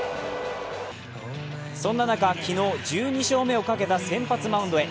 そんな中、昨日１２勝目をかけた先発マウンドへ。